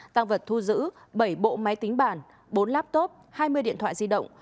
tăng vật thu giữ bảy bộ máy tính bản bốn laptop hai mươi điện thoại di động